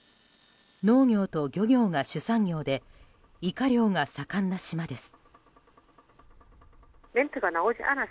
農業と漁業が主産業でイカ漁が盛んな島です。